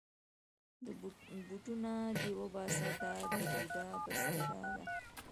بوټونه دې وباسه، دا د بوډا بستره ده.